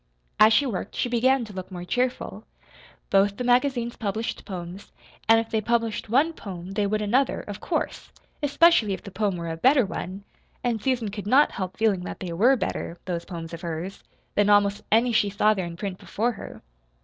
As she worked she began to look more cheerful. Both the magazines published poems, and if they published one poem they would another, of course, especially if the poem were a better one and Susan could not help feeling that they were better (those poems of hers) than almost any she saw there in print before her.